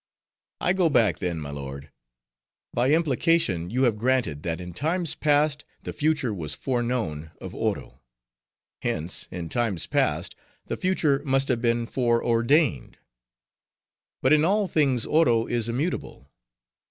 "I go back then, my lord. By implication, you have granted, that in times past the future was foreknown of Oro; hence, in times past, the future must have been foreordained. But in all things Oro is immutable.